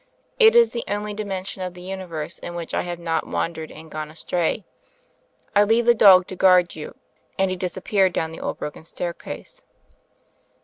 It is the only dimension of the Universe in which I have not wan dered and gone astray. I leave the dog to guard you ;" and he disappeared down the old broken staircase.